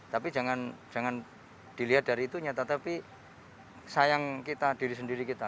tapi jangan dilihat dari itu nyata tapi sayang kita diri sendiri kita